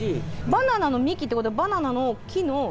バナナの幹ということは、バナナの木の？